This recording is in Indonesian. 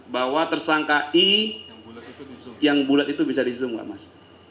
bahwa tersangka i yang bulat itu bisa di zoom gak mas